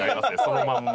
そのまんま。